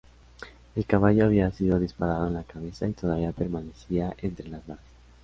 El caballo había sido disparado en la cabeza y todavía permanecía entre las varas.